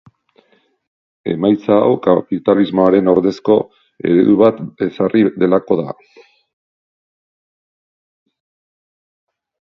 Emaitza hau kapitalismoaren ordezko eredu bat ezarri delako da.